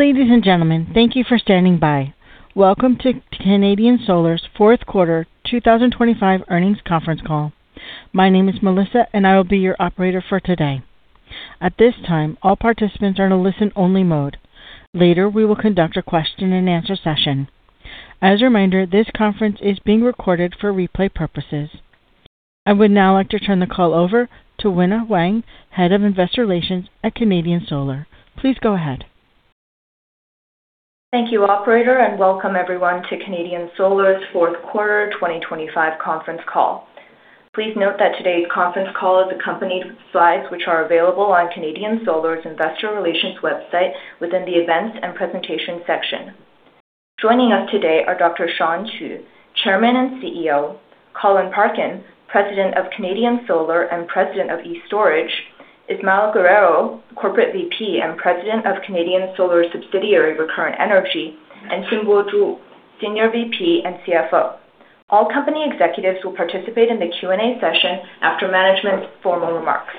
Ladies and gentlemen, thank you for standing by. Welcome to Canadian Solar's fourth quarter 2025 earnings conference call. My name is Melissa, and I will be your operator for today. At this time, all participants are in a listen only mode. Later, we will conduct a question and answer session. As a reminder, this conference is being recorded for replay purposes. I would now like to turn the call over to Wina Huang, Head of Investor Relations at Canadian Solar. Please go ahead. Thank you, operator, and welcome everyone to Canadian Solar's fourth quarter 2025 conference call. Please note that today's conference call is accompanied with slides, which are available on Canadian Solar's investor relations website within the Events and Presentation section. Joining us today are Dr. Shawn Qu, Chairman and CEO, Colin Parkin, President of Canadian Solar and President of e-STORAGE, Ismael Guerrero, Corporate VP and President of Recurrent Energy, Canadian Solar, and Xinbo Zhu, Senior VP and CFO. All company executives will participate in the Q&A session after management's formal remarks.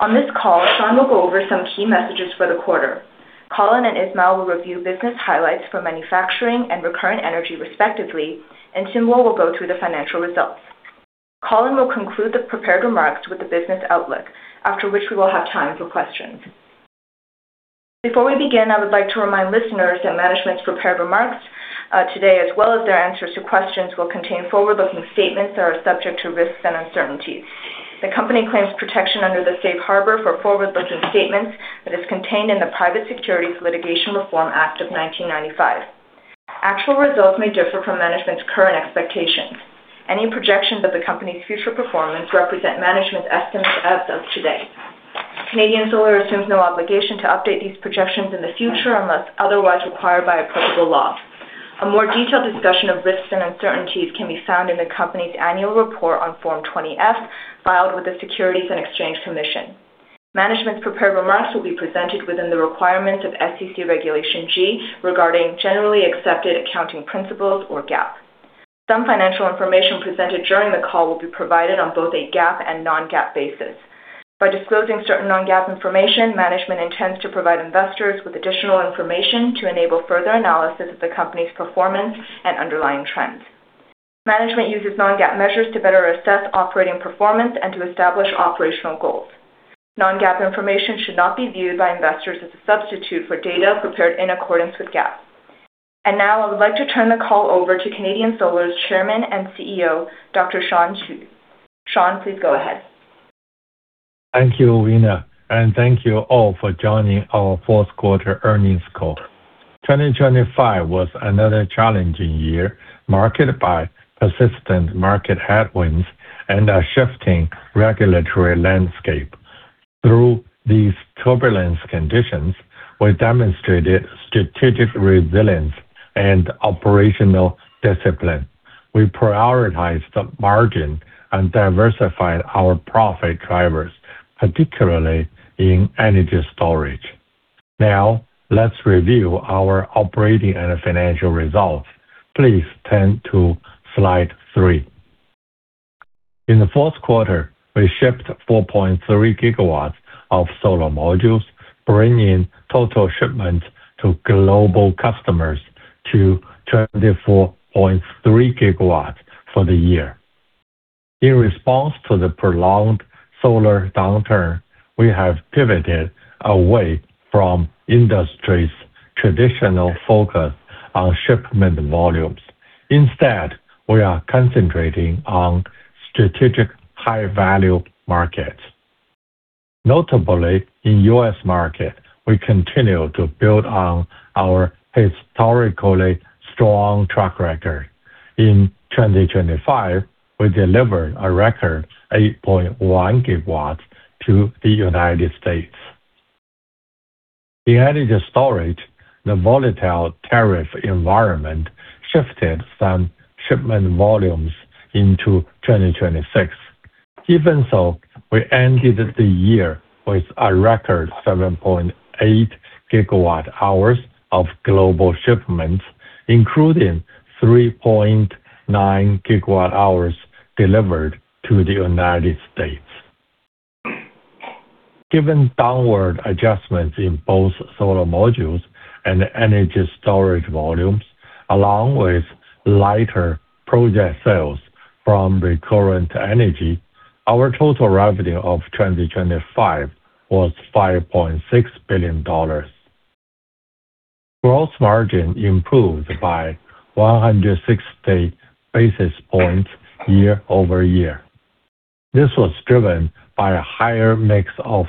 On this call, Shawn will go over some key messages for the quarter. Colin and Ismael will review business highlights for manufacturing and Recurrent Energy, respectively, and Xinbo will go through the financial results. Colin will conclude the prepared remarks with the business outlook, after which we will have time for questions. Before we begin, I would like to remind listeners that management's prepared remarks today, as well as their answers to questions will contain forward-looking statements that are subject to risks and uncertainties. The company claims protection under the safe harbor for forward-looking statements that is contained in the Private Securities Litigation Reform Act of 1995. Actual results may differ from management's current expectations. Any projections of the company's future performance represent management's estimates as of today. Canadian Solar assumes no obligation to update these projections in the future unless otherwise required by applicable law. A more detailed discussion of risks and uncertainties can be found in the company's annual report on Form 20-F, filed with the Securities and Exchange Commission. Management's prepared remarks will be presented within the requirements of SEC Regulation G regarding generally accepted accounting principles or GAAP. Some financial information presented during the call will be provided on both a GAAP and non-GAAP basis. By disclosing certain non-GAAP information, management intends to provide investors with additional information to enable further analysis of the company's performance and underlying trends. Management uses non-GAAP measures to better assess operating performance and to establish operational goals. Non-GAAP information should not be viewed by investors as a substitute for data prepared in accordance with GAAP. Now I would like to turn the call over to Canadian Solar's chairman and CEO, Dr. Shawn Qu. Shawn, please go ahead. Thank you, Wina, and thank you all for joining our fourth quarter earnings call. 2025 was another challenging year, marked by persistent market headwinds and a shifting regulatory landscape. Through these turbulent conditions, we demonstrated strategic resilience and operational discipline. We prioritized the margin and diversified our profit drivers, particularly in energy storage. Now, let's review our operating and financial results. Please turn to slide three. In the fourth quarter, we shipped 4.3 GW of solar modules, bringing total shipments to global customers to 24.3 GW for the year. In response to the prolonged solar downturn, we have pivoted away from industry's traditional focus on shipment volumes. Instead, we are concentrating on strategic high-value markets. Notably, in U.S. market, we continue to build on our historically strong track record. In 2025, we delivered a record 8.1 GW to the United States. In energy storage, the volatile tariff environment shifted some shipment volumes into 2026. Even so, we ended the year with a record 7.8 GWh of global shipments, including 3.9 GWh delivered to the United States. Given downward adjustments in both solar modules and energy storage volumes, along with lighter project sales from Recurrent Energy, our total revenue of 2025 was $5.6 billion. Gross margin improved by 160 basis points year-over-year. This was driven by a higher mix of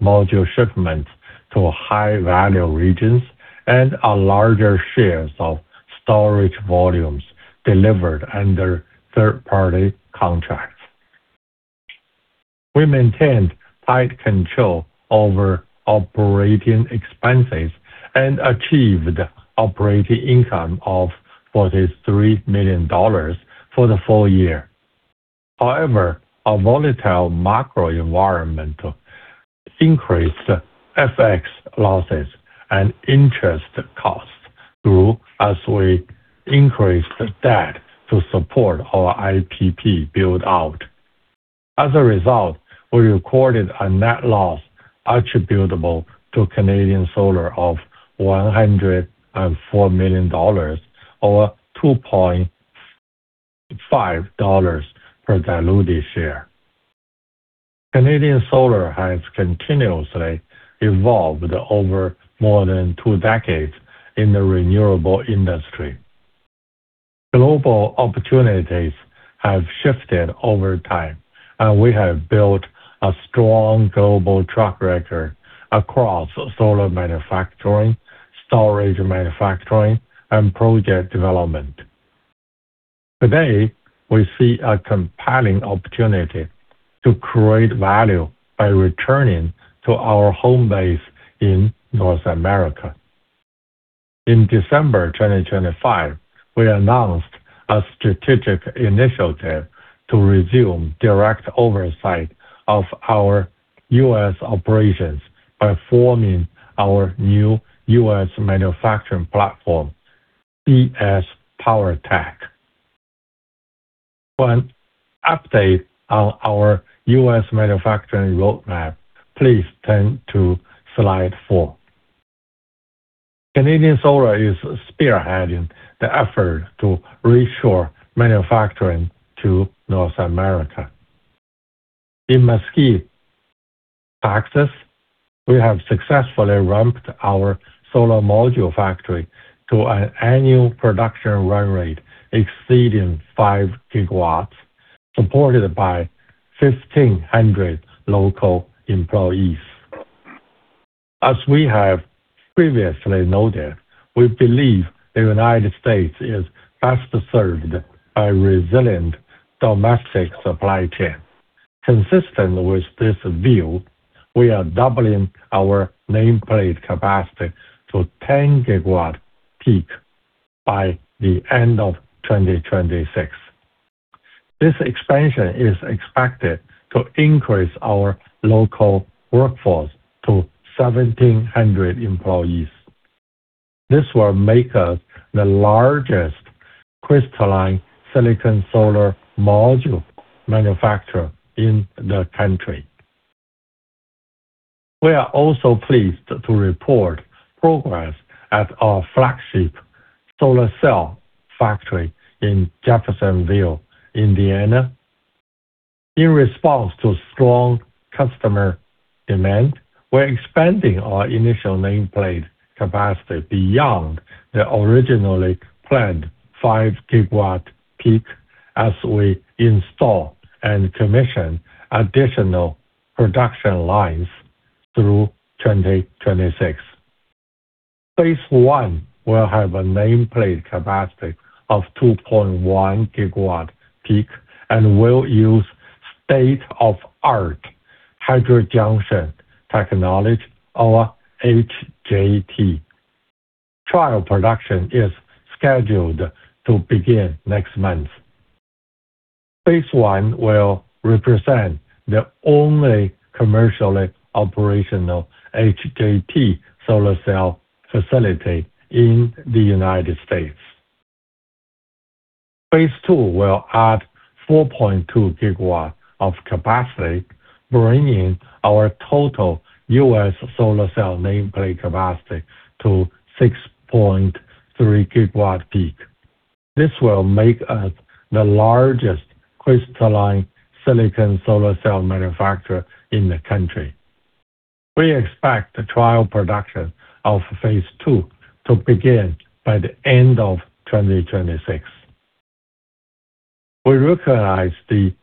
module shipments to high-value regions and a larger shares of storage volumes delivered under third-party contracts. We maintained tight control over operating expenses and achieved operating income of $43 million for the full year. However, a volatile macro environment increased FX losses and interest costs throughout, as we increased debt to support our IPP build-out. As a result, we recorded a net loss attributable to Canadian Solar of $104 million, or $2.5 per diluted share. Canadian Solar has continuously evolved over more than two decades in the renewable industry. Global opportunities have shifted over time, and we have built a strong global track record across solar manufacturing, storage manufacturing, and project development. Today, we see a compelling opportunity to create value by returning to our home base in North America. In December 2025, we announced a strategic initiative to resume direct oversight of our U.S. operations by forming our new U.S. manufacturing platform, CS PowerTech. For an update on our U.S. manufacturing roadmap, please turn to slide four. Canadian Solar is spearheading the effort to reshore manufacturing to North America. In Mesquite, Texas, we have successfully ramped our solar module factory to an annual production run rate exceeding 5 GW, supported by 1,500 local employees. As we have previously noted, we believe the United States is best served by resilient domestic supply chain. Consistent with this view, we are doubling our nameplate capacity to 10 GW peak by the end of 2026. This expansion is expected to increase our local workforce to 1,700 employees. This will make us the largest crystalline silicon solar module manufacturer in the country. We are also pleased to report progress at our flagship solar cell factory in Jeffersonville, Indiana. In response to strong customer demand, we're expanding our initial nameplate capacity beyond the originally planned 5 GW peak as we install and commission additional production lines through 2026. Phase I will have a nameplate capacity of 2.1 GW peak and will use state-of-the-art heterojunction technology or HJT. Trial production is scheduled to begin next month. Phase I will represent the only commercially operational HJT solar cell facility in the United States. Phase II will add 4.2 GW of capacity, bringing our total U.S. solar cell nameplate capacity to 6.3 GW peak. This will make us the largest crystalline silicon solar cell manufacturer in the country. We expect the trial production of phase II to begin by the end of 2026. We recognize the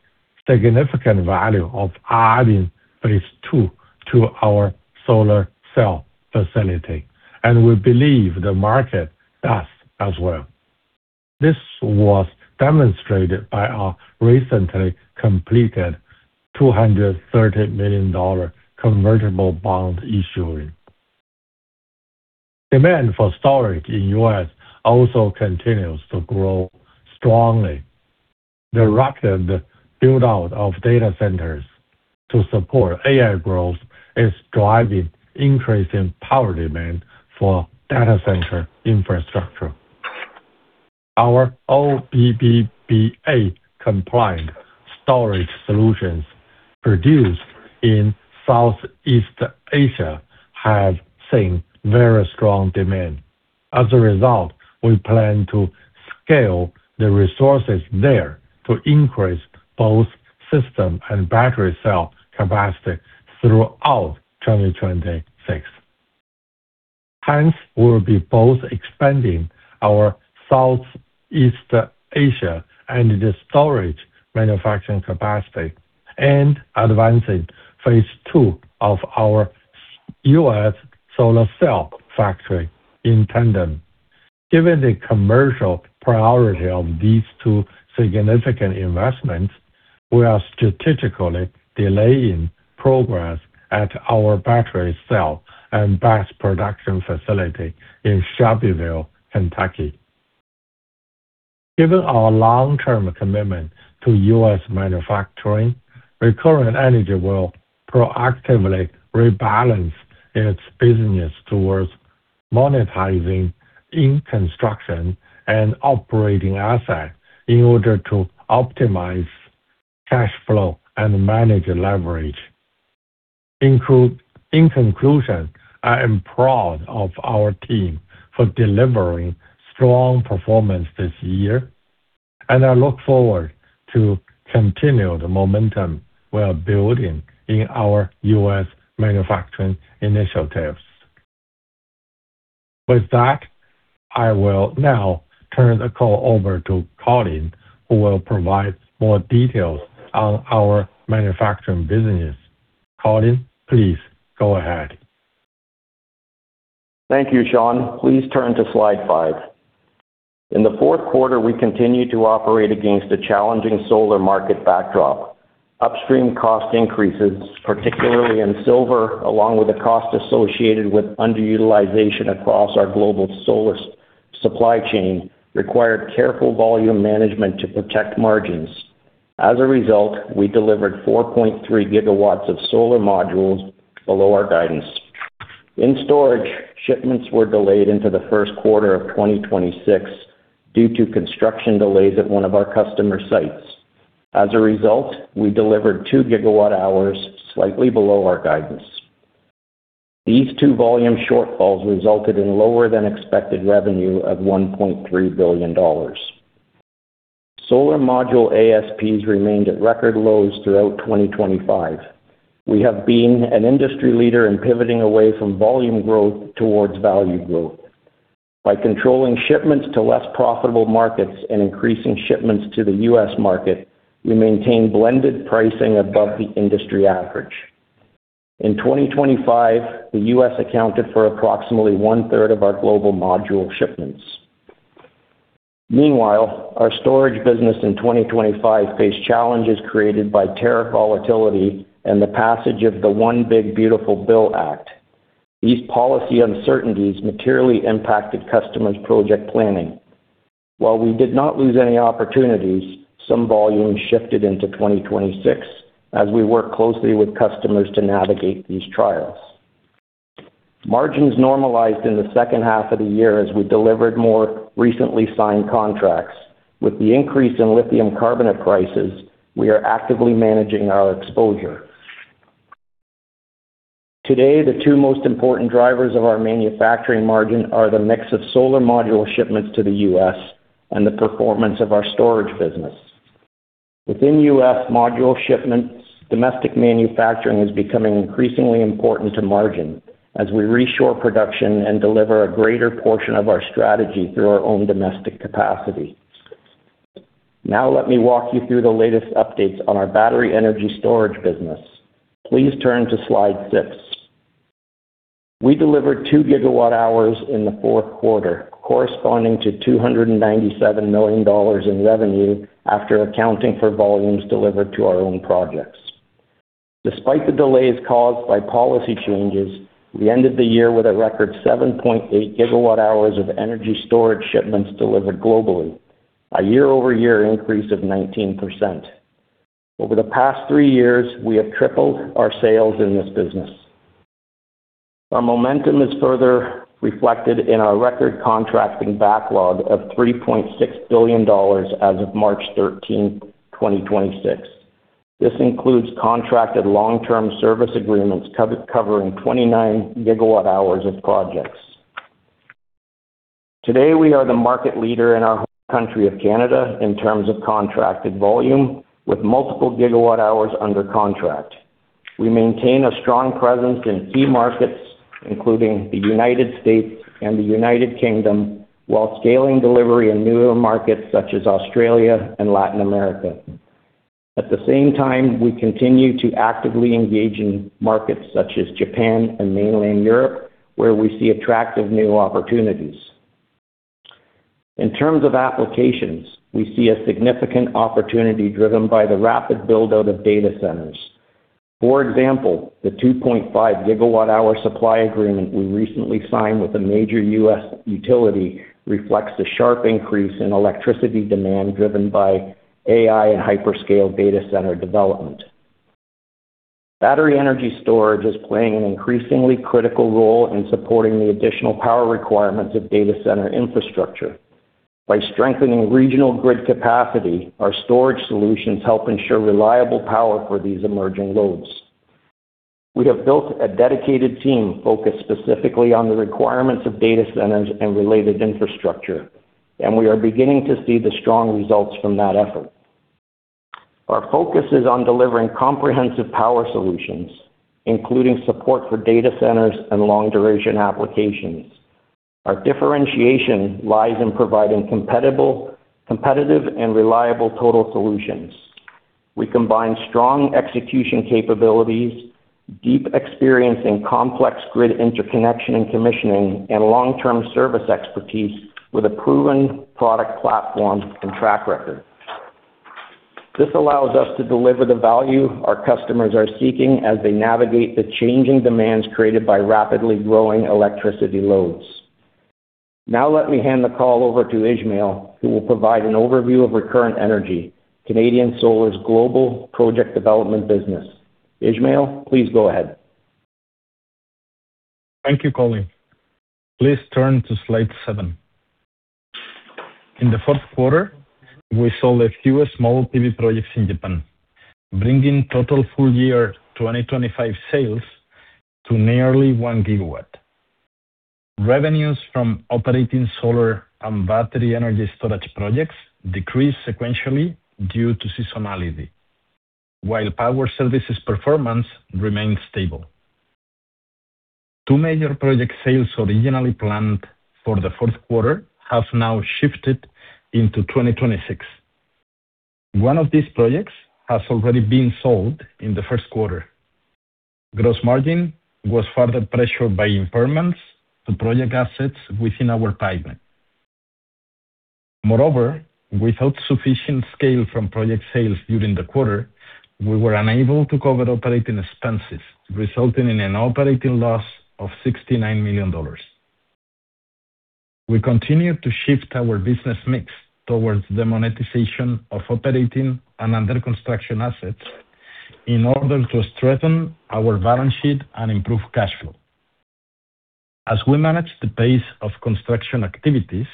significant value of adding phase II to our solar cell facility, and we believe the market does as well. This was demonstrated by our recently completed $230 million convertible bond issuing. Demand for storage in U.S. also continues to grow strongly. The record build-out of data centers to support AI growth is driving increase in power demand for data center infrastructure. Our OBBBA compliant storage solutions produced in Southeast Asia have seen very strong demand. As a result, we plan to scale the resources there to increase both system and battery cell capacity throughout 2026. Hence, we'll be both expanding our Southeast Asia energy storage manufacturing capacity and advancing phase II of our U.S. solar cell factory in tandem. Given the commercial priority of these two significant investments, we are strategically delaying progress at our battery cell and BESS production facility in Shelbyville, Kentucky. Given our long-term commitment to U.S. manufacturing, Recurrent Energy will proactively rebalance its business towards monetizing in construction and operating assets in order to optimize cash flow and manage leverage. In conclusion, I am proud of our team for delivering strong performance this year, and I look forward to continue the momentum we are building in our U.S. manufacturing initiatives. With that, I will now turn the call over to Colin, who will provide more details on our manufacturing business. Colin, please go ahead. Thank you, Shawn. Please turn to slide five. In the fourth quarter, we continued to operate against a challenging solar market backdrop. Upstream cost increases, particularly in silver, along with the cost associated with underutilization across our global solar supply chain, required careful volume management to protect margins. As a result, we delivered 4.3 GW of solar modules below our guidance. In storage, shipments were delayed into the first quarter of 2026 due to construction delays at one of our customer sites. As a result, we delivered 2 GWh slightly below our guidance. These two volume shortfalls resulted in lower than expected revenue of $1.3 billion. Solar module ASPs remained at record lows throughout 2025. We have been an industry leader in pivoting away from volume growth towards value growth. By controlling shipments to less profitable markets and increasing shipments to the U.S. market, we maintain blended pricing above the industry average. In 2025, the U.S. accounted for approximately 1/3 of our global module shipments. Meanwhile, our storage business in 2025 faced challenges created by tariff volatility and the passage of the One Big Beautiful Bill Act. These policy uncertainties materially impacted customers' project planning. While we did not lose any opportunities, some volume shifted into 2026 as we work closely with customers to navigate these trials. Margins normalized in the second half of the year as we delivered more recently signed contracts. With the increase in lithium carbonate prices, we are actively managing our exposure. Today, the two most important drivers of our manufacturing margin are the mix of solar module shipments to the U.S. and the performance of our storage business. Within U.S. module shipments, domestic manufacturing is becoming increasingly important to margin as we reshore production and deliver a greater portion of our strategy through our own domestic capacity. Now let me walk you through the latest updates on our battery energy storage business. Please turn to slide six. We delivered 2 GWh in the fourth quarter, corresponding to $297 million in revenue after accounting for volumes delivered to our own projects. Despite the delays caused by policy changes, we ended the year with a record 7.8 GWh of energy storage shipments delivered globally, a year-over-year increase of 19%. Over the past three years, we have tripled our sales in this business. Our momentum is further reflected in our record contracting backlog of $3.6 billion as of March 13, 2026. This includes contracted long-term service agreements covering 29 GWh of projects. Today, we are the market leader in our home country of Canada in terms of contracted volume with multiple gigawatt hours under contract. We maintain a strong presence in key markets, including the United States and the United Kingdom, while scaling delivery in newer markets such as Australia and Latin America. At the same time, we continue to actively engage in markets such as Japan and mainland Europe, where we see attractive new opportunities. In terms of applications, we see a significant opportunity driven by the rapid build-out of data centers. For example, the 2.5 GWh supply agreement we recently signed with a major U.S. utility reflects the sharp increase in electricity demand driven by AI and hyperscale data center development. Battery energy storage is playing an increasingly critical role in supporting the additional power requirements of data center infrastructure. By strengthening regional grid capacity, our storage solutions help ensure reliable power for these emerging loads. We have built a dedicated team focused specifically on the requirements of data centers and related infrastructure, and we are beginning to see the strong results from that effort. Our focus is on delivering comprehensive power solutions, including support for data centers and long-duration applications. Our differentiation lies in providing compatible, competitive and reliable total solutions. We combine strong execution capabilities, deep experience in complex grid interconnection and commissioning, and long-term service expertise with a proven product platform and track record. This allows us to deliver the value our customers are seeking as they navigate the changing demands created by rapidly growing electricity loads. Now let me hand the call over to Ismael, who will provide an overview of Recurrent Energy, Canadian Solar's global project development business. Ismael, please go ahead. Thank you, Colin Parkin. Please turn to slide seven. In the fourth quarter, we sold a few small PV projects in Japan, bringing total full year 2025 sales to nearly 1 GW. Revenues from operating solar and battery energy storage projects decreased sequentially due to seasonality, while power services performance remained stable. Two major project sales originally planned for the fourth quarter have now shifted into 2026. One of these projects has already been sold in the first quarter. Gross margin was further pressured by impairments to project assets within our pipeline. Moreover, without sufficient scale from project sales during the quarter, we were unable to cover operating expenses, resulting in an operating loss of $69 million. We continue to shift our business mix towards the monetization of operating and under-construction assets in order to strengthen our balance sheet and improve cash flow. As we manage the pace of construction activities,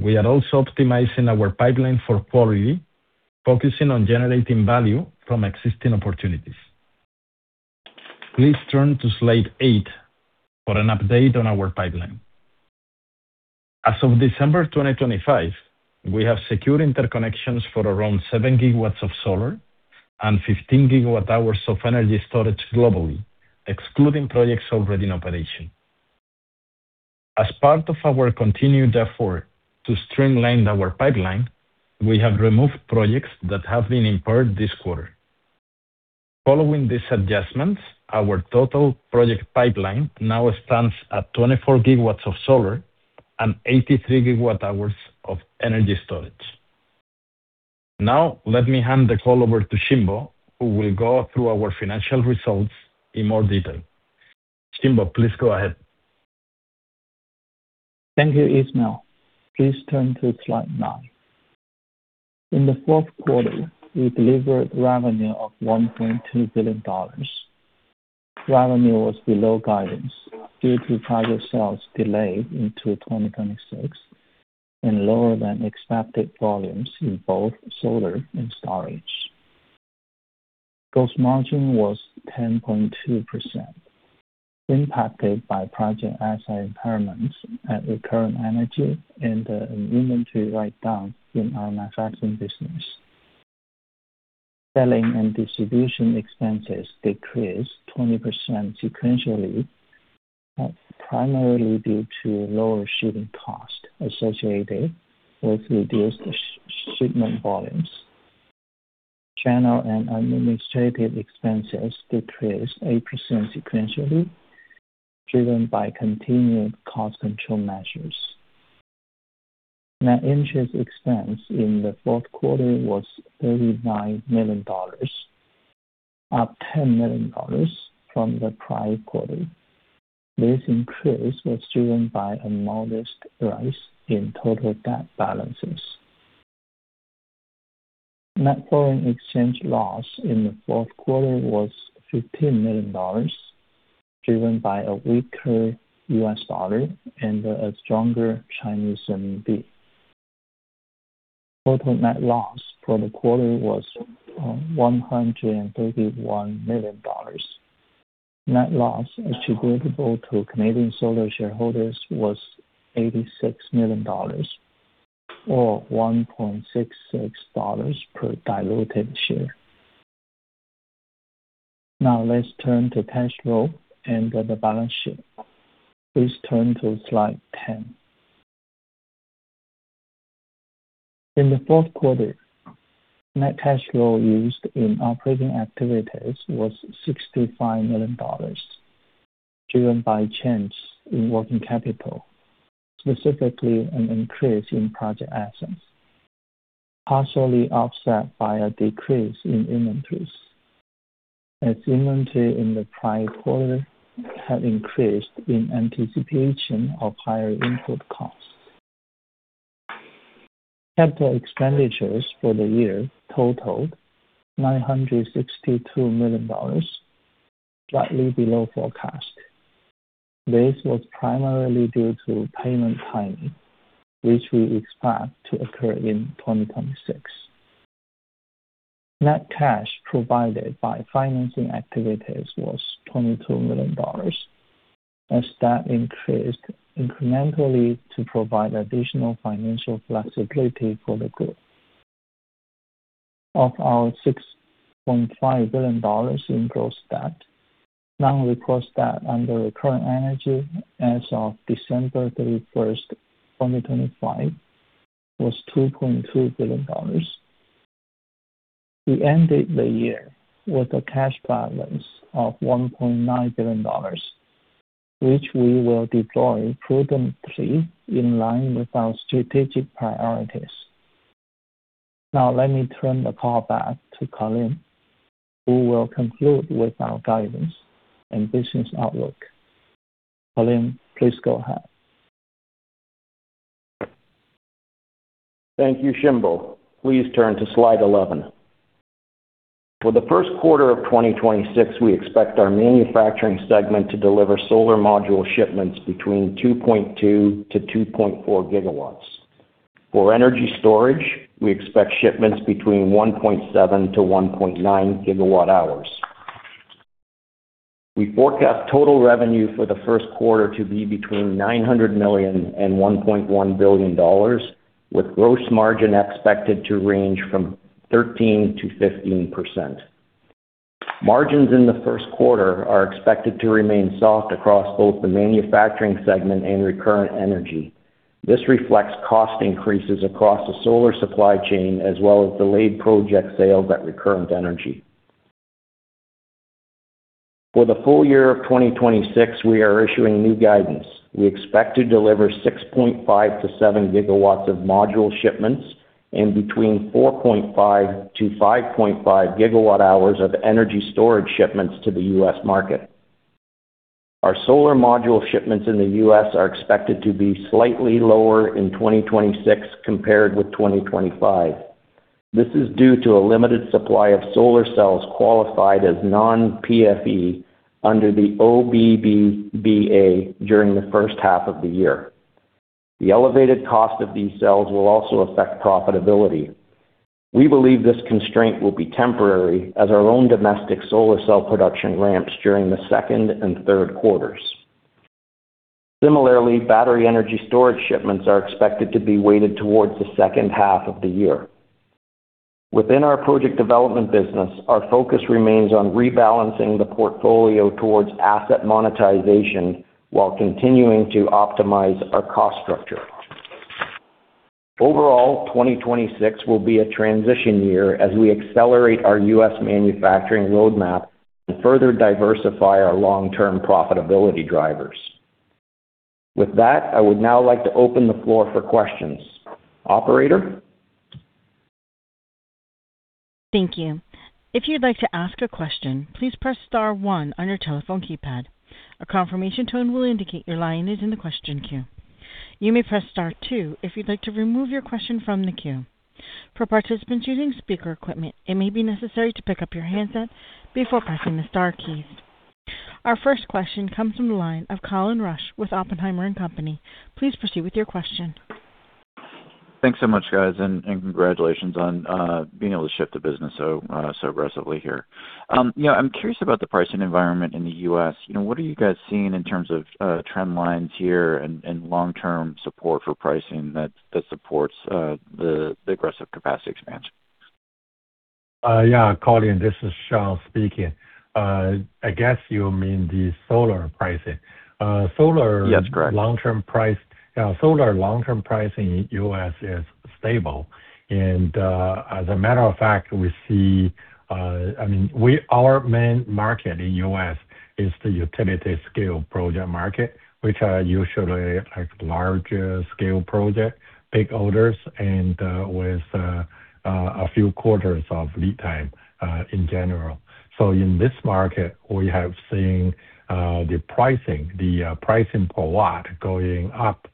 we are also optimizing our pipeline for quality, focusing on generating value from existing opportunities. Please turn to slide eight for an update on our pipeline. As of December 2025, we have secured interconnections for around 7 GW of solar and 15 GWh of energy storage globally, excluding projects already in operation. As part of our continued effort to streamline our pipeline, we have removed projects that have been impaired this quarter. Following these adjustments, our total project pipeline now stands at 24 GW of solar and 83 GWh of energy storage. Now let me hand the call over to Xinbo Zhu, who will go through our financial results in more detail. Xinbo Zhu, please go ahead. Thank you, Ismael. Please turn to slide nine. In the fourth quarter, we delivered revenue of $1.2 billion. Revenue was below guidance due to project sales delayed into 2026 and lower than expected volumes in both solar and storage. Gross margin was 10.2%, impacted by project asset impairments at Recurrent Energy and the inventory write-down in our manufacturing business. Selling and distribution expenses decreased 20% sequentially, primarily due to lower shipping costs associated with reduced shipment volumes. General and administrative expenses decreased 8% sequentially, driven by continued cost control measures. Net interest expense in the fourth quarter was $39 million, up $10 million from the prior quarter. This increase was driven by a modest rise in total debt balances. Net foreign exchange loss in the fourth quarter was $15 million, driven by a weaker U.S. dollar and a stronger Chinese renminbi. Total net loss for the quarter was $131 million. Net loss attributable to Canadian Solar shareholders was $86 million or $1.66 per diluted share. Now let's turn to cash flow and the balance sheet. Please turn to slide 10. In the fourth quarter, net cash flow used in operating activities was $65 million, driven by change in working capital, specifically an increase in project assets, partially offset by a decrease in inventories, as inventory in the prior quarter had increased in anticipation of higher input costs. Capital expenditures for the year totaled $962 million, slightly below forecast. This was primarily due to payment timing, which we expect to occur in 2026. Net cash provided by financing activities was $22 million, as debt increased incrementally to provide additional financial flexibility for the group. Of our $6.5 billion in gross debt, non-recourse debt under Recurrent Energy as of December 31, 2025 was $2.2 billion. We ended the year with a cash balance of $1.9 billion, which we will deploy prudently in line with our strategic priorities. Now let me turn the call back to Colin Parkin, who will conclude with our guidance and business outlook. Colin Parkin, please go ahead. Thank you, Xinbo. Please turn to slide 11. For the first quarter of 2026, we expect our manufacturing segment to deliver solar module shipments between 2.2-2.4 GW. For energy storage, we expect shipments between 1.7-1.9 GWh. We forecast total revenue for the first quarter to be between $900 million and $1.1 billion, with gross margin expected to range from 13%-15%. Margins in the first quarter are expected to remain soft across both the manufacturing segment and Recurrent Energy. This reflects cost increases across the solar supply chain as well as delayed project sales at Recurrent Energy. For the full year of 2026, we are issuing new guidance. We expect to deliver 6.5-7 GW of module shipments and between 4.5-5.5 GWh of energy storage shipments to the U.S. market. Our solar module shipments in the U.S. are expected to be slightly lower in 2026 compared with 2025. This is due to a limited supply of solar cells qualified as non-FEOC under the OBBBA during the first half of the year. The elevated cost of these cells will also affect profitability. We believe this constraint will be temporary as our own domestic solar cell production ramps during the second and third quarters. Similarly, battery energy storage shipments are expected to be weighted towards the second half of the year. Within our project development business, our focus remains on rebalancing the portfolio towards asset monetization while continuing to optimize our cost structure. Overall, 2026 will be a transition year as we accelerate our U.S. manufacturing roadmap and further diversify our long-term profitability drivers. With that, I would now like to open the floor for questions. Operator? Thank you. If you'd like to ask a question, please press star one on your telephone keypad. A confirmation tone will indicate your line is in the question queue. You may press star two if you'd like to remove your question from the queue. For participants using speaker equipment, it may be necessary to pick up your handset before pressing the star keys. Our first question comes from the line of Colin Rusch with Oppenheimer & Company. Please proceed with your question. Thanks so much, guys, and congratulations on being able to shift the business so aggressively here. You know, I'm curious about the pricing environment in the U.S. You know, what are you guys seeing in terms of trend lines here and long-term support for pricing that supports the aggressive capacity expansion? Yeah, Colin, this is Dr. Shawn Qu speaking. I guess you mean the solar pricing. That's correct. Long-term price. Solar long-term pricing in the U.S. is stable. As a matter of fact, I mean, our main market in the U.S. is the utility-scale project market, which are usually like larger-scale projects, big orders and with a few quarters of lead time, in general. In this market, we have seen the pricing per watt going up.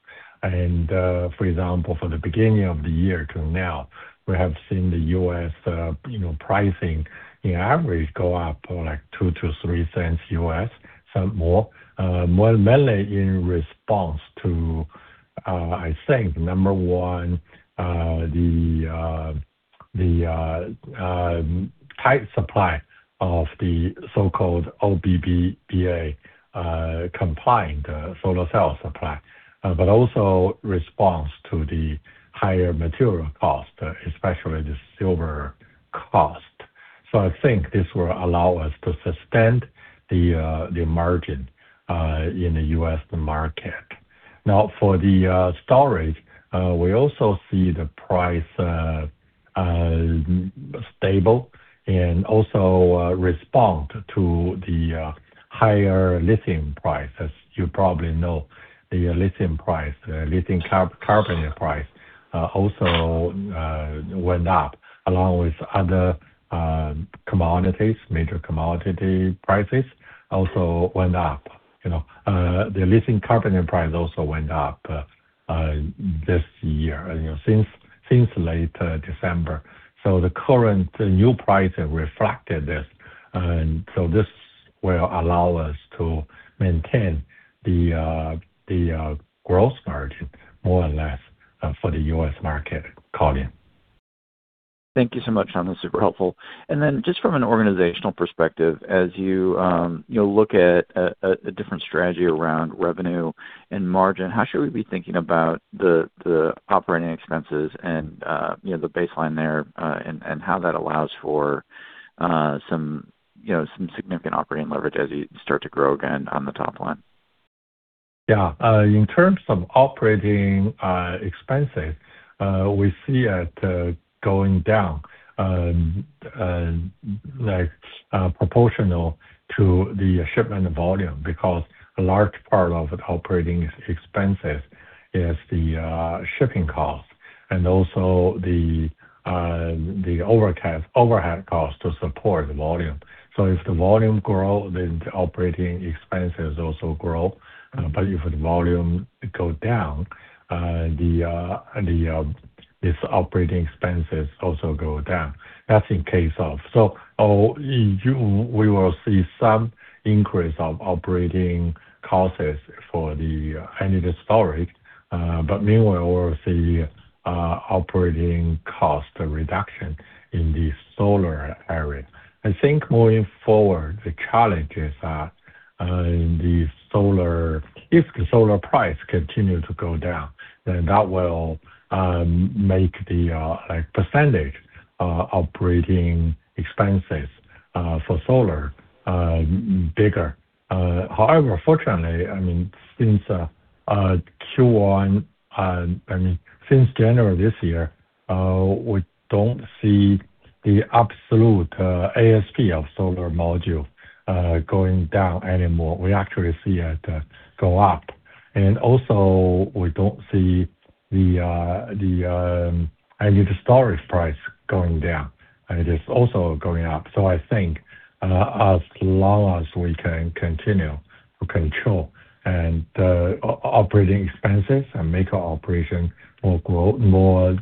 For example, from the beginning of the year till now, we have seen the U.S., you know, pricing on average go up by like $0.02-$0.03, some more, more mainly in response to, I think number one, the tight supply of the so-called OBBBA compliant solar cell supply. But also response to the higher material cost, especially the silver cost. I think this will allow us to sustain the margin in the U.S. market. Now, for the storage, we also see the price stable and also respond to the higher lithium price. As you probably know, the lithium carbonate price also went up along with other commodities. Major commodity prices also went up. You know, the lithium carbonate price also went up this year, you know, since late December. The current new price reflected this. This will allow us to maintain the growth margin more or less for the U.S. market, Colin. Thank you so much, Shawn. That's super helpful. Then just from an organizational perspective, as you you know look at a different strategy around revenue and margin, how should we be thinking about the operating expenses and you know the baseline there and how that allows for some you know some significant operating leverage as you start to grow again on the top line? Yeah. In terms of operating expenses, we see it going down, like, proportional to the shipment volume because a large part of operating expenses is the shipping cost. Also the overhead cost to support the volume. If the volume grow, then the operating expenses also grow. If the volume go down, this operating expenses also go down. That's in case of. In June, we will see some increase of operating costs for the energy storage. Meanwhile, we'll see operating cost reduction in the solar area. I think going forward, the challenges are in the solar. If the solar price continue to go down, then that will make the, like, percentage operating expenses for solar bigger. However, fortunately, I mean, since Q1, I mean, since January this year, we don't see the absolute ASP of solar module going down anymore. We actually see it go up. Also we don't see the energy storage price going down. It is also going up. I think, as long as we can continue to control and operating expenses and make our operation more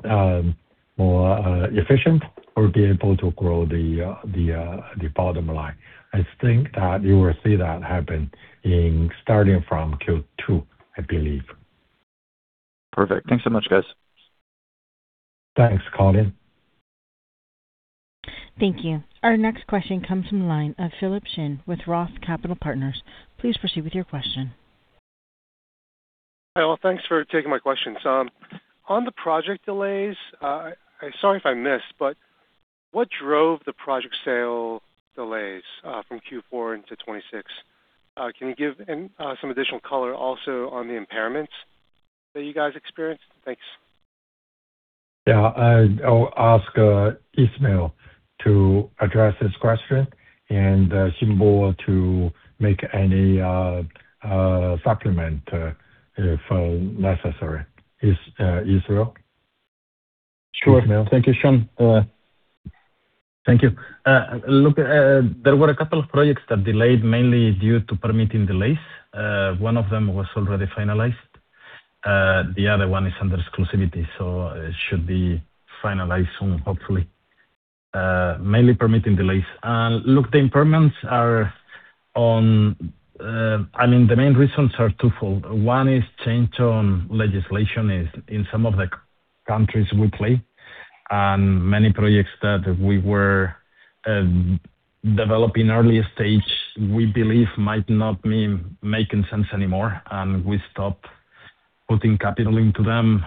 efficient, we'll be able to grow the bottom line. I think that you will see that happen starting from Q2, I believe. Perfect. Thanks so much, guys. Thanks, Colin. Thank you. Our next question comes from the line of Philip Shen with Roth Capital Partners. Please proceed with your question. Hi, all. Thanks for taking my question. On the project delays, sorry if I missed, but what drove the project sale delays from Q4 into 2026? Can you give some additional color also on the impairments that you guys experienced? Thanks. Yeah. I'll ask Ismael to address this question and Xinbo Zhu to make any supplement if necessary. Ismael? Sure. Ismael? Thank you, Shawn. Thank you. Look, there were a couple of projects that delayed mainly due to permitting delays. One of them was already finalized. The other one is under exclusivity, so it should be finalized soon, hopefully. Mainly permitting delays. Look, the impairments are on. I mean, the main reasons are twofold. One is change on legislation is in some of the countries we play, and many projects that we were developing early stage, we believe might not be making sense anymore, and we stopped putting capital into them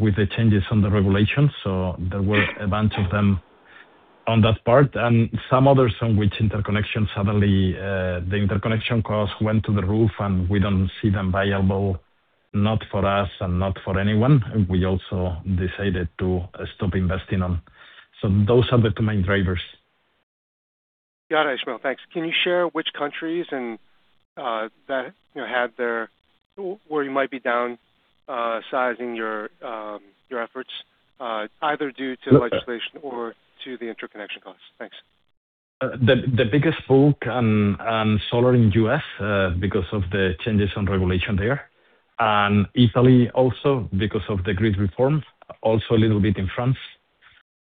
with the changes on the regulations. There were a bunch of them on that part and some others on which interconnection suddenly the interconnection costs went through the roof, and we don't see them viable, not for us and not for anyone. We also decided to stop investing in. Those are the two main drivers. Got it, Ismael. Thanks. Can you share which countries and where you might be downsizing your efforts, either due to legislation or to the interconnection costs? Thanks. The biggest bulk on solar in U.S. because of the changes on regulation there. Italy also because of the grid reform, also a little bit in France.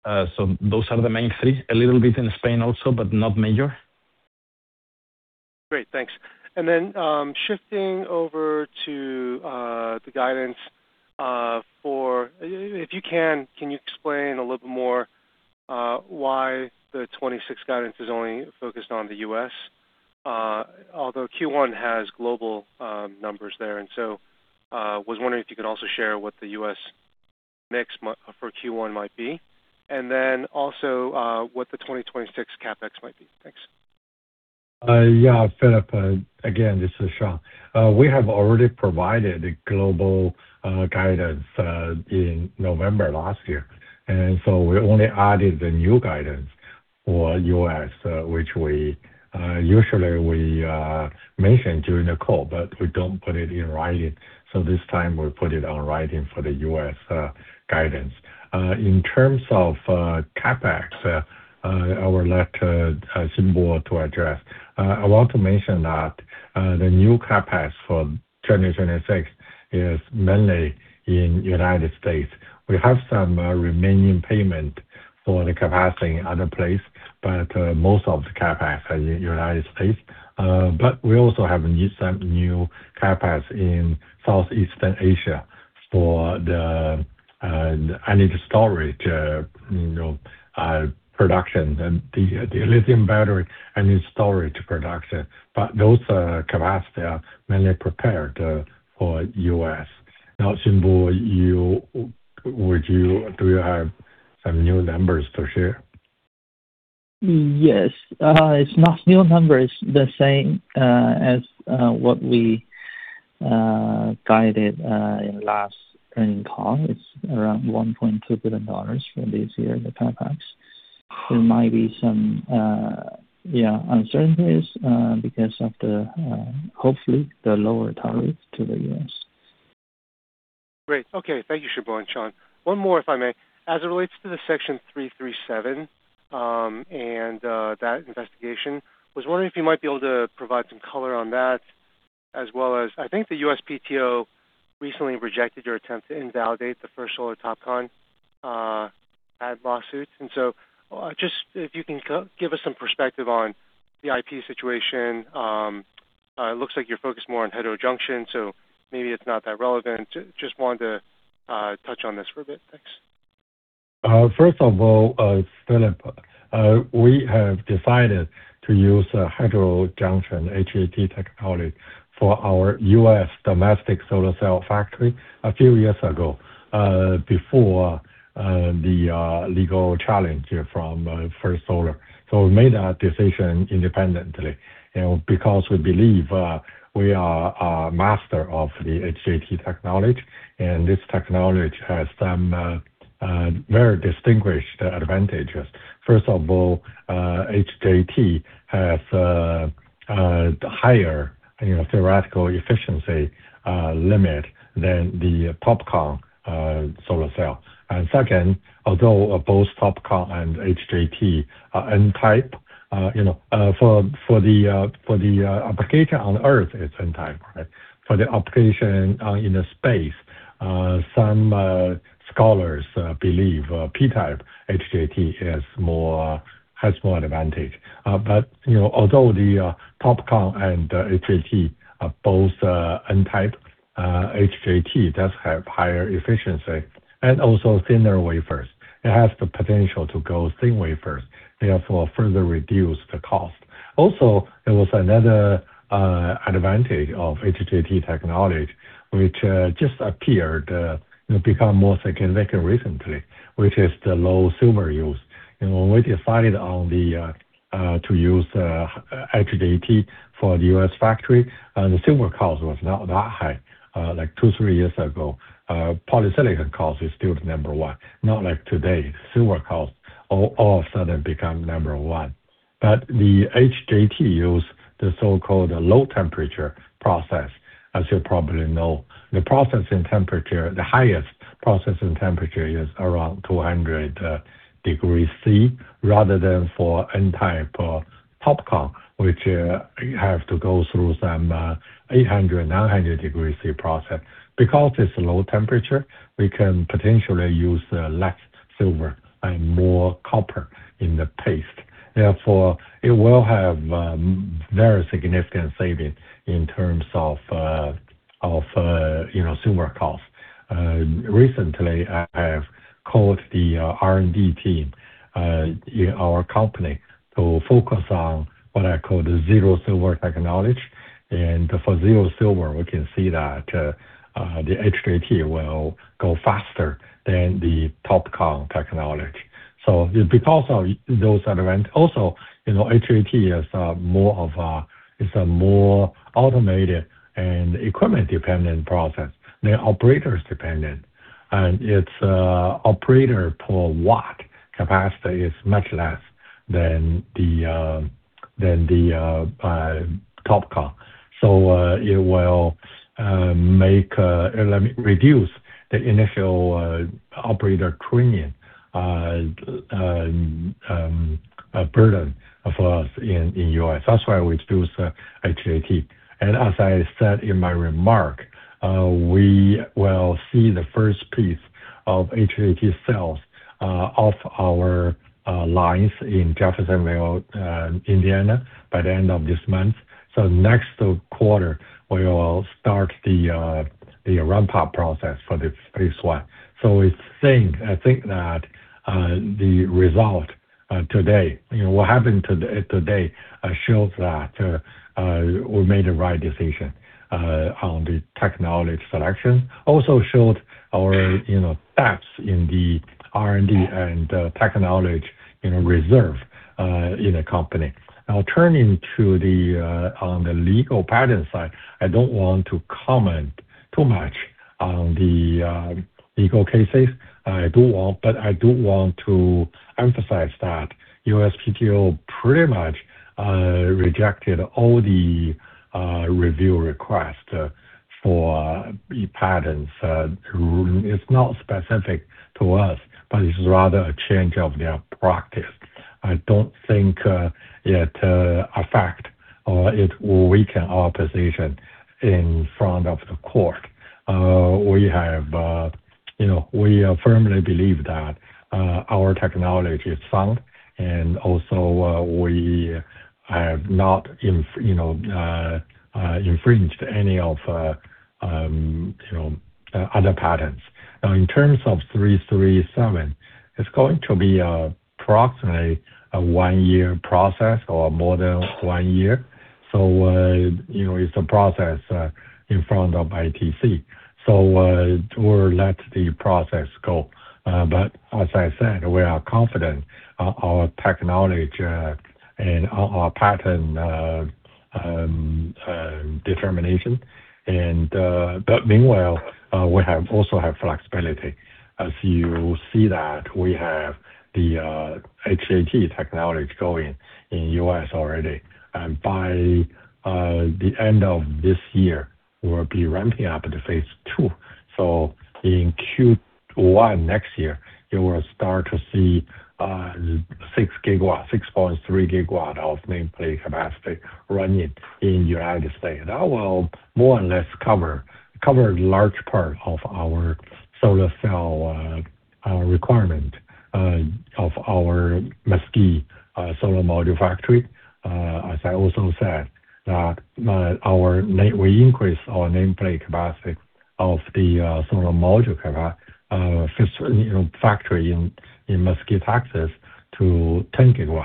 Those are the main three. A little bit in Spain also, but not major. Great. Thanks. Shifting over to the guidance. If you can you explain a little bit more why the 2026 guidance is only focused on the U.S.? Although Q1 has global numbers there, was wondering if you could also share what the U.S. mix for Q1 might be. Also, what the 2026 CapEx might be. Thanks. Philip, again, this is Shawn. We have already provided a global guidance in November last year. We only added the new guidance for U.S., which we usually mention during the call, but we don't put it in writing. This time we put it in writing for the U.S. guidance. In terms of CapEx, I will let Xinbo Zhu address. I want to mention that the new CapEx for 2026 is mainly in United States. We have some remaining payment for the capacity in other place, but most of the CapEx are in United States. We also have some new CapEx in Southeast Asia for the energy storage, you know, productions and the lithium battery energy storage production. Those capacity are mainly prepared for U.S. Now, Xinbo, do you have some new numbers to share? Yes. It's not new numbers. The same as what we guided in last earnings call. It's around $1.2 billion for this year, the CapEx. There might be some uncertainties because of, hopefully, the lower tariffs to the U.S. Great. Okay. Thank you, Xinbo and Shawn. One more, if I may. As it relates to the Section 337, that investigation, I was wondering if you might be able to provide some color on that as well as I think the USPTO recently rejected your attempt to invalidate the First Solar TOPCon and lawsuits. Just if you can give us some perspective on the IP situation. It looks like you're focused more on heterojunction, so maybe it's not that relevant. Just wanted to touch on this for a bit. Thanks. First of all, Philip, we have decided to use a heterojunction, HJT technology for our U.S. domestic solar cell factory a few years ago, before the legal challenge from First Solar. We made a decision independently because we believe we are a master of the HJT technology, and this technology has some very distinguished advantages. First of all, HJT has higher theoretical efficiency limit than the TOPCon solar cell. Second, although both TOPCon and HJT are N-type, you know, for the application on Earth, it's N-type, right? For the application in the space, some scholars believe P-type HJT has more advantage. You know, although the TOPCon and HJT are both N-type, HJT does have higher efficiency and also thinner wafers. It has the potential to go thin wafers, therefore further reduce the cost. Also, there was another advantage of HJT technology which has just become more significant recently, which is the low silver use. You know, when we decided to use HJT for the U.S. factory, the silver cost was not that high. Like two, three years ago, polysilicon cost is still number one, not like today, silver cost all of a sudden become number one. HJT uses the so-called low-temperature process. As you probably know, the processing temperature, the highest processing temperature is around 200 degrees Celsius, rather than for N-type or TOPCon, which you have to go through some 800, 900 degrees Celsius process. Because it's low temperature, we can potentially use less silver and more copper in the paste. Therefore, it will have very significant savings in terms of of you know, silver cost. Recently, I have called the R&D team in our company to focus on what I call the zero silver technology. For zero silver, we can see that the HJT will go faster than the TOPCon technology. Because of those events, you know, HJT is more of a automated and equipment-dependent process than operators dependent. Its operator per watt capacity is much less than the TOPCon. It will make reduce the initial operator training burden for us in U.S. That's why we choose HJT. As I said in my remark, we will see the first piece of HJT cells off our lines in Jeffersonville, Indiana by the end of this month. Next quarter, we will start the ramp up process for this one. I think that the result today, you know, what happened today shows that we made the right decision on the technology selection. Also showed our, you know, depths in the R&D and technology reserve in the company. Now, turning to the on the legal patent side, I don't want to comment too much on the legal cases. I do want to emphasize that USPTO pretty much rejected all the review request for patents. It's not specific to us, but it's rather a change of their practice. I don't think it affect or it will weaken our position in front of the court. We have you know we firmly believe that our technology is sound and also we have not you know infringed any of you know other patents. Now, in terms of 337, it's going to be approximately a one-year process or more than one year. You know, it's a process in front of ITC. We'll let the process go. As I said, we are confident our technology and our patent determination. Meanwhile, we have flexibility. As you see that we have the HJT technology going in U.S. already. By the end of this year, we'll be ramping up the phase II. In Q1 next year, you will start to see 6 GW, 6.3 GW of nameplate capacity running in United States. That will more or less cover a large part of our solar cell requirement of our Mesquite solar module factory. I also said that we increased our nameplate capacity of the solar module factory, you know, in Mesquite, Texas to 10 GW.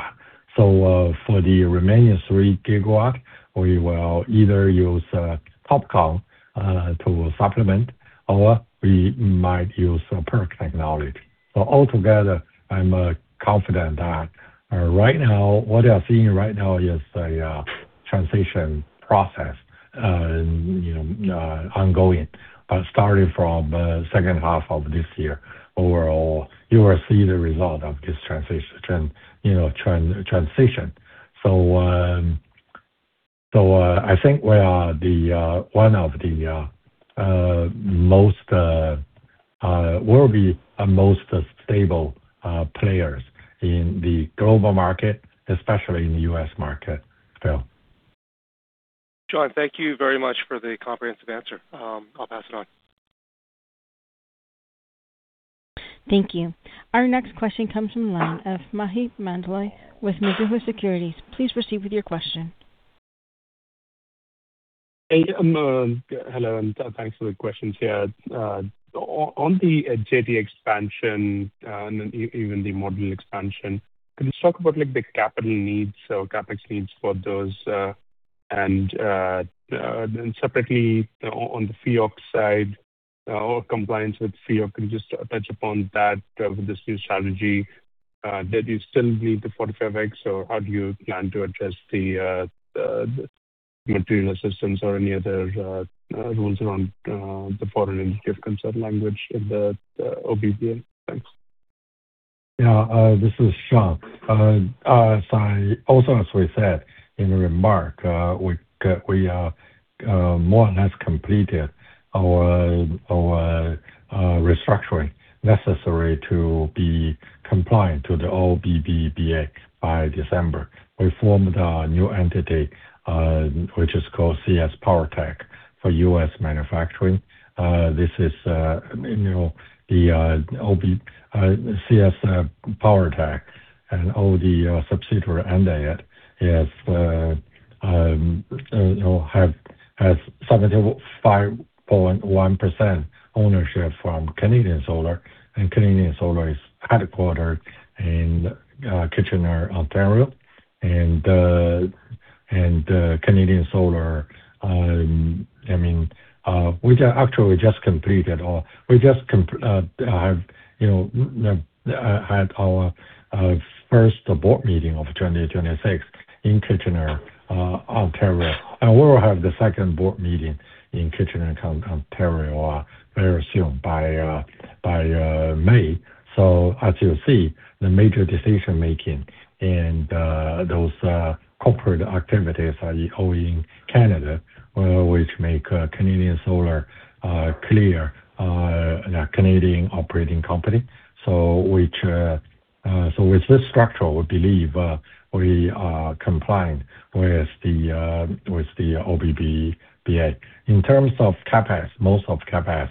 For the remaining 3 GW, we will either use TOPCon to supplement or we might use a PERC technology. Altogether, I'm confident that right now what you are seeing right now is a transition process, you know, ongoing. Starting from second half of this year overall, you will see the result of this, you know, transition. I think we will be one of the most stable players in the global market, especially in the U.S. market. Phil. John, thank you very much for the comprehensive answer. I'll pass it on. Thank you. Our next question comes from the line of Maheep Mandloi with Mizuho Securities. Please proceed with your question. Hey, hello, and thanks for the questions here. On the Jeffersonville expansion, and then even the module expansion, can you talk about like the capital needs, so CapEx needs for those? And then separately on the FEOC side or compliance with FEOC and just touch upon that with this new strategy. Did you still need the 45x, or how do you plan to address the material assistance or any other rules around the foreign entity of concern language in the OBBBA? Thanks. Yeah. This is Shawn. As I also, as we said in the remark, we are more or less completed our restructuring necessary to be compliant to the OBBBA by December. We formed a new entity, which is called CS PowerTech for U.S. manufacturing. This is, you know, the CS PowerTech and all the subsidiary under it has 75.1% ownership from Canadian Solar. Canadian Solar is headquartered in Kitchener, Ontario. I mean, we just actually had our, you know, first board meeting of 2026 in Kitchener, Ontario. We'll have the second board meeting in Kitchener, Ontario, very soon by May. As you'll see, the major decision-making and those corporate activities are ongoing in Canada, which makes Canadian Solar a clear Canadian operating company. With this structure, we believe we are compliant with the OBBBA. In terms of CapEx, most of CapEx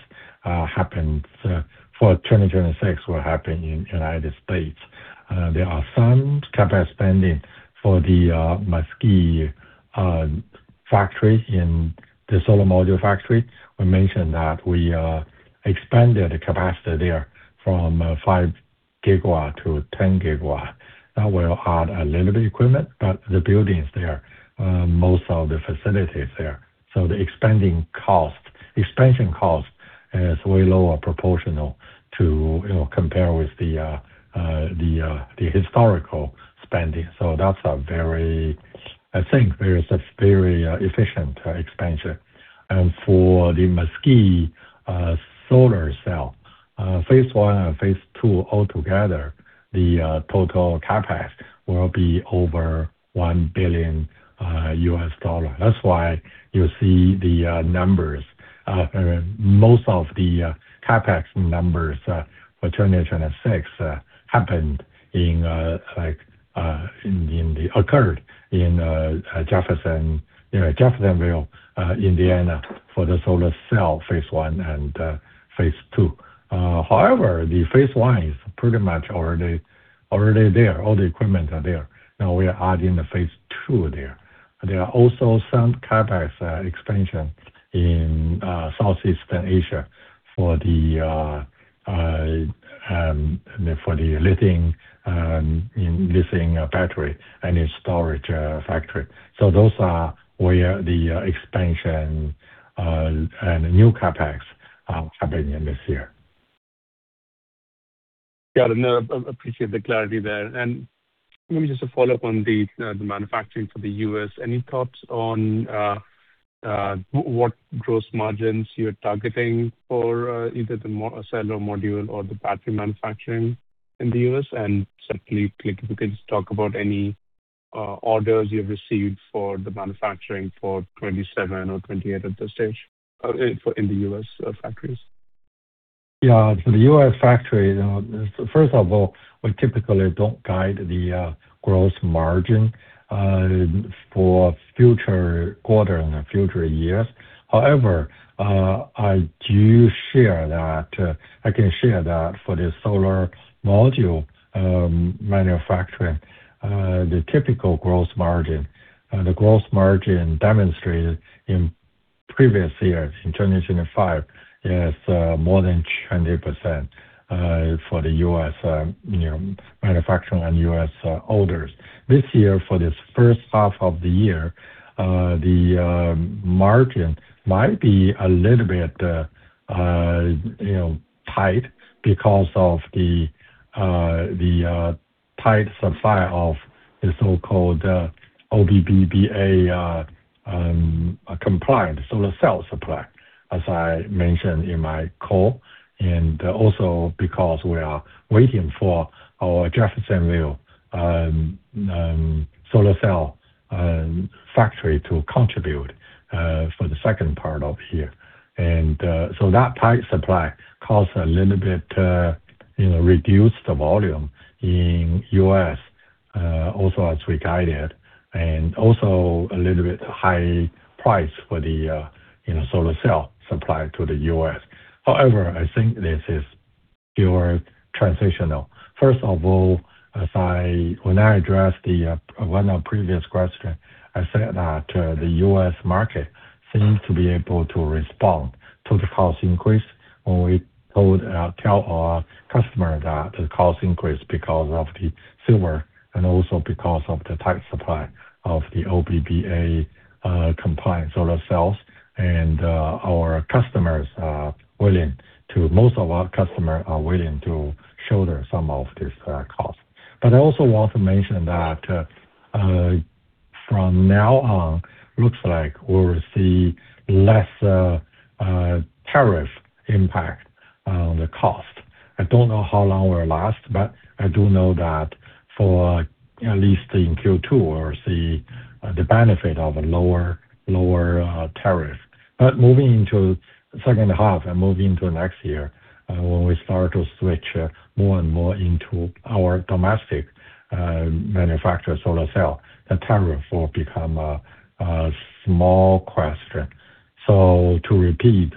for 2026 will happen in the United States. There are some CapEx spending for the Mesquite factory, the solar module factory. We mentioned that we expanded the capacity there from 5-10 GW. That will add a little bit of equipment, but the buildings there, most of the facilities there. The expansion cost is way lower proportional to, you know, compared with the historical spending. That's a very efficient expansion. For the Mesquite solar cell phase I and phase II all together, the total CapEx will be over $1 billion. That's why you see the numbers. Most of the CapEx numbers for 2026 occurred in, you know, Jeffersonville, Indiana, for the solar cell phase I and phase II. However, the phase I is pretty much already there. All the equipment are there. Now we are adding the phase II there. There are also some CapEx expansion in Southeast Asia for the lithium battery and storage factory. Those are where the expansion and new CapEx are happening in this year. Got it. No, appreciate the clarity there. Maybe just a follow-up on the manufacturing for the U.S. Any thoughts on what gross margins you're targeting for either the cell or module or the battery manufacturing in the U.S.? Secondly, if you could just talk about any orders you've received for the manufacturing for 2027 or 2028 at this stage in the U.S. factories. Yeah. The U.S. factory, you know, first of all, we typically don't guide the gross margin for future quarter and future years. However, I can share that for the solar module manufacturing, the typical gross margin demonstrated in previous years, in 2025, is more than 20% for the U.S., you know, manufacturing and U.S. orders. This year, for this first half of the year, the margin might be a little bit, you know, tight because of the tight supply of the so-called OBBBA compliant solar cell supply, as I mentioned in my call, and also because we are waiting for our Jeffersonville solar cell factory to contribute for the second part of the year. That tight supply caused a little bit, you know, reduced the volume in U.S., also as we guided, and also a little bit higher price for the, you know, solar cell supply to the U.S. However, I think this is purely transitional. First of all, when I addressed one of the previous questions, I said that the U.S. market seems to be able to respond to the cost increase when we tell our customer that the cost increased because of the silver and also because of the tight supply of the OBBBA compliant solar cells. Most of our customers are willing to shoulder some of this cost. I also want to mention that, from now on, looks like we'll see less tariff impact on the cost. I don't know how long will it last, but I do know that for at least in Q2 we'll see the benefit of a lower tariff. Moving into second half and moving into next year, when we start to switch more and more into our domestic manufacture solar cell, the tariff will become a small question. To repeat,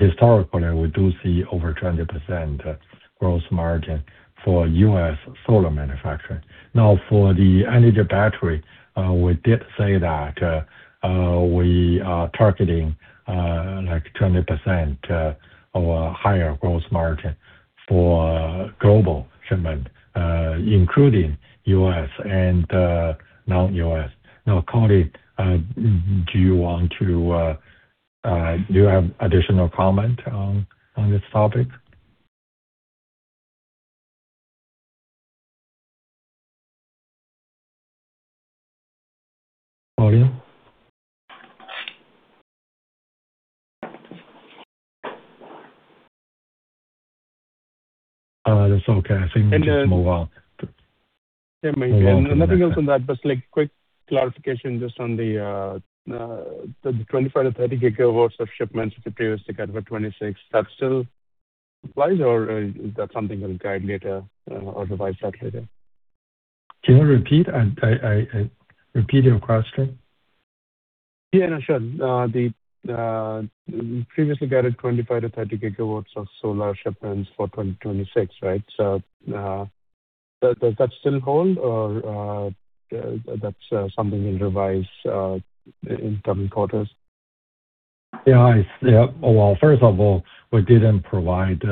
historically, we do see over 20% gross margin for U.S. solar manufacturing. Now, for the energy battery, we did say that, we are targeting, like, 20% or higher gross margin for global shipment, including U.S. and non-U.S. Now, Colin Parkin, do you have additional comment on this topic? Audio? That's okay. I think we can just move on. Yeah, maybe. Nothing else on that, but just, like, quick clarification just on the 25-30 GW of shipments that you previously guided for 2026. That's still wise or is that something you'll guide later or revise that later? Can you repeat? I repeat your question. Yeah. No, sure. You previously guided 25-30 GW of solar shipments for 2026, right? Does that still hold or that's something you'll revise in coming quarters? Yeah. Well, first of all, we didn't provide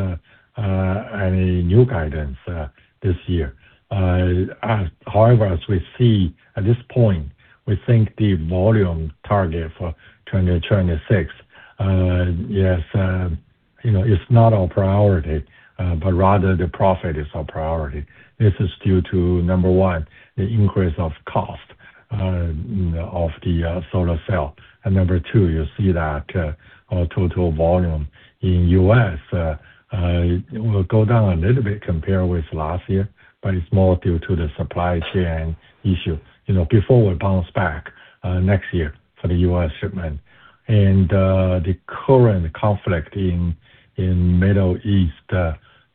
any new guidance this year. However, as we see at this point, we think the volume target for 2026, yes, you know, it's not our priority, but rather the profit is our priority. This is due to, number one, the increase of cost of the solar cell. Number two, you see that, our total volume in U.S. will go down a little bit compared with last year, but it's more due to the supply chain issue, you know, before we bounce back next year for the U.S. shipment. The current conflict in Middle East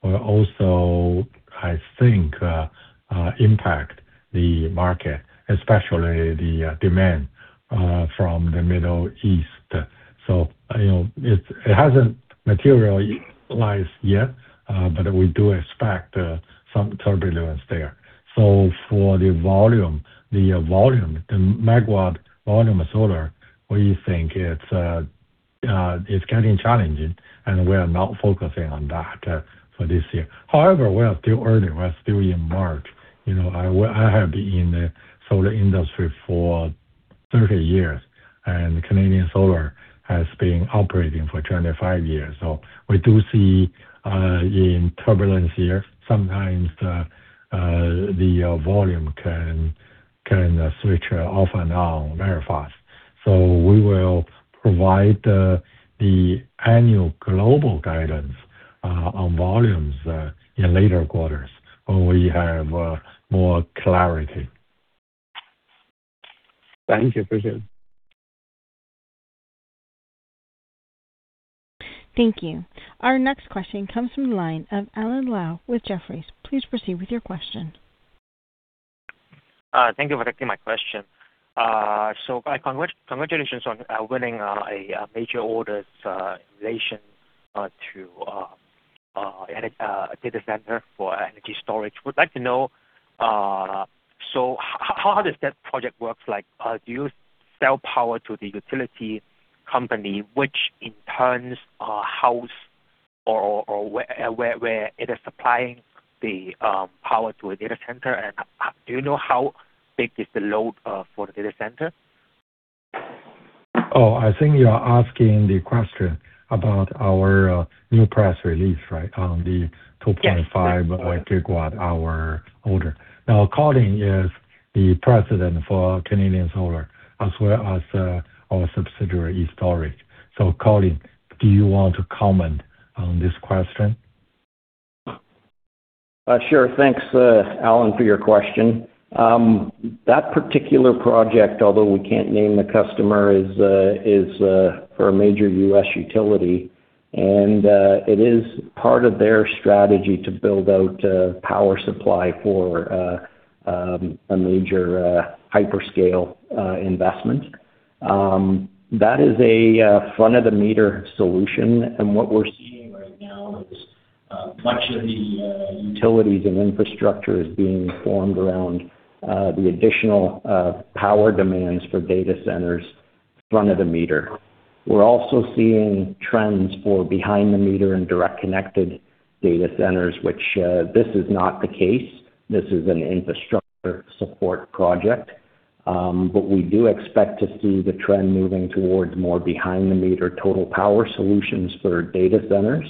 will also, I think, impact the market, especially the demand from the Middle East. You know, it hasn't materialized yet, but we do expect some turbulence there. For the volume, the megawatt volume of solar, we think it's getting challenging, and we are not focusing on that for this year. However, we are still early. We are still in March. You know, I have been in the solar industry for 30 years, and Canadian Solar has been operating for 25 years. We do see, in turbulent years, sometimes the volume can switch off and on very fast. We will provide the annual global guidance on volumes in later quarters when we have more clarity. Thank you. Appreciate it. Thank you. Our next question comes from the line of Alan Lau with Jefferies. Please proceed with your question. Thank you for taking my question. Congratulations on winning a major orders in relation to AI data center for energy storage. Would like to know how does that project work? Like, do you sell power to the utility company, which in turn or where it is supplying the power to a data center? Do you know how big is the load for the data center? Oh, I think you are asking the question about our new press release, right? On the Yes. 2.5 GWh order. Colin is the president for Canadian Solar, as well as our subsidiary, e-STORAGE. Colin, do you want to comment on this question? Sure. Thanks, Alan, for your question. That particular project, although we can't name the customer, is for a major U.S. utility, and it is part of their strategy to build out a power supply for a major hyperscale investment. That is a front-of-the-meter solution. What we're seeing right now is much of the utilities and infrastructure is being formed around the additional power demands for data centers front-of-the-meter. We're also seeing trends for behind-the-meter and direct-connected data centers, which this is not the case. This is an infrastructure support project. We do expect to see the trend moving towards more behind-the-meter total power solutions for data centers,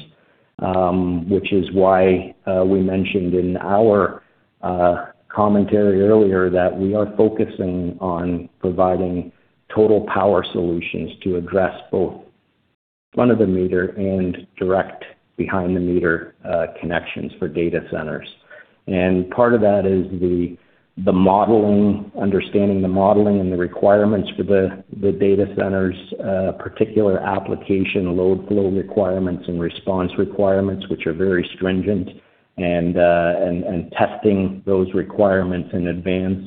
which is why we mentioned in our commentary earlier that we are focusing on providing total power solutions to address both front-of-the-meter and direct behind-the-meter connections for data centers. Part of that is the modeling, understanding the modeling and the requirements for the data centers particular application load, flow requirements and response requirements, which are very stringent. Testing those requirements in advance,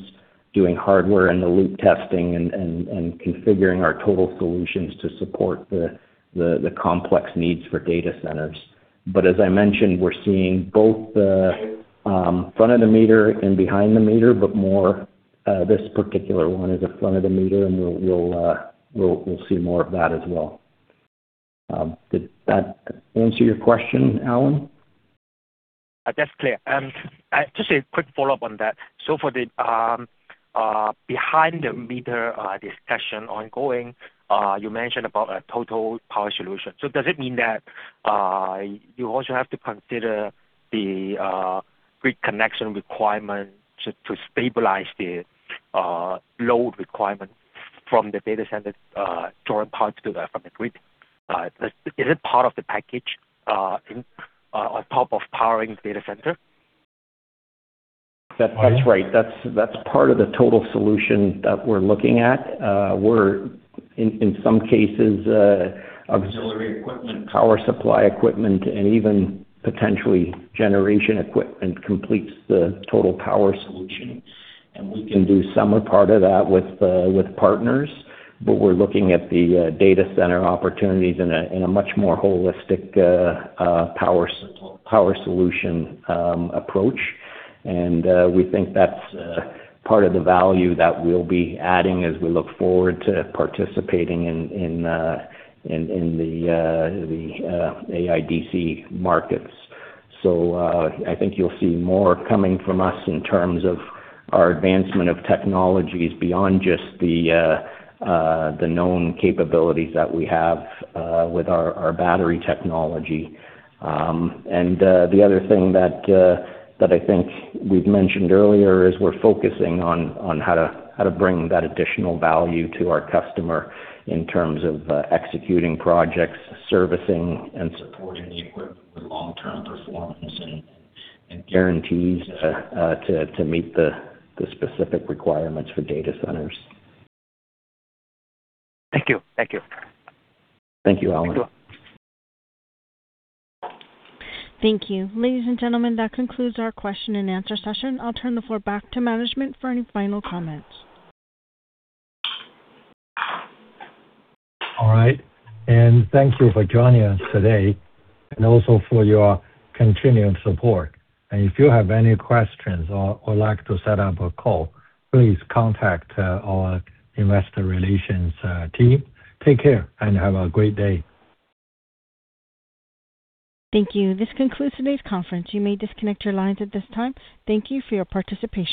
doing hardware-in-the-loop testing and configuring our total solutions to support the complex needs for data centers. As I mentioned, we're seeing both the front-of-the-meter and behind-the-meter, but more this particular one is a front-of-the-meter, and we'll see more of that as well. Did that answer your question, Alan? That's clear. Just a quick follow-up on that. For the behind-the-meter discussion ongoing, you mentioned about a total power solution. Does it mean that you also have to consider the reconnection requirement to stabilize the load requirement from the data center drawing power from the grid? Is it part of the package and on top of powering data center? That's right. That's part of the total solution that we're looking at. In some cases, auxiliary equipment, power supply equipment, and even potentially generation equipment completes the total power solution. We can do some or part of that with partners, but we're looking at the data center opportunities in a much more holistic power solution approach. We think that's part of the value that we'll be adding as we look forward to participating in the AIDC markets. I think you'll see more coming from us in terms of our advancement of technologies beyond just the known capabilities that we have with our battery technology. The other thing that I think we've mentioned earlier is we're focusing on how to bring that additional value to our customer in terms of executing projects, servicing and supporting the equipment with long-term performance and guarantees to meet the specific requirements for data centers. Thank you. Thank you. Thank you, Alan. Thank you. Thank you. Ladies and gentlemen, that concludes our question and answer session. I'll turn the floor back to management for any final comments. All right. Thank you for joining us today and also for your continuing support. If you have any questions or would like to set up a call, please contact our investor relations team. Take care and have a great day. Thank you. This concludes today's conference. You may disconnect your lines at this time. Thank you for your participation.